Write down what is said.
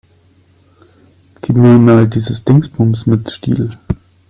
Gib mir mal dieses Dingsbums mit Stiel.